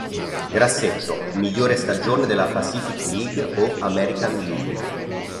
Grassetto: Migliore Stagione della Pacific League o American League